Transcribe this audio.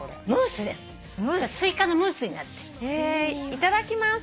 いただきます。